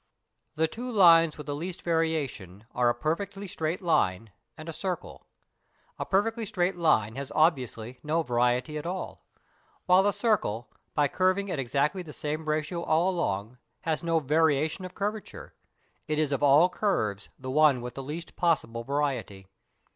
The two lines with the least variation are a perfectly straight line and a circle. A perfectly straight line has obviously no variety at all, while a circle, by curving at exactly the same ratio all along, has no variation of curvature, it is of all curves the one with the least possible variety.